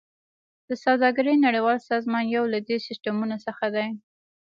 د سوداګرۍ نړیوال سازمان یو له دې سیستمونو څخه دی